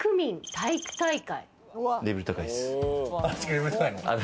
体育大会。